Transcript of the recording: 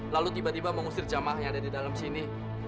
lalu tiba tiba mengusir jamaah yang ada di dalam sini